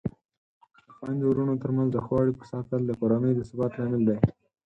د خویندو ورونو ترمنځ د ښو اړیکو ساتل د کورنۍ د ثبات لامل دی.